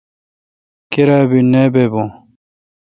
کیرا بی نہ با بو۔